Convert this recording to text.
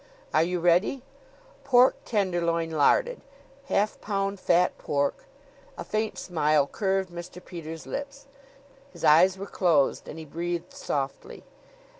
"Are you ready? 'Pork Tenderloin Larded. Half pound fat pork '" A faint smile curved Mr. Peters' lips. His eyes were closed and he breathed softly.